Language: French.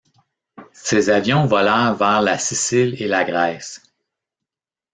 Ces avions volèrent vers la Sicile et la Grèce.